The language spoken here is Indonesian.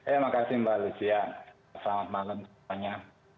ya makasih mbak lucia selamat malam semuanya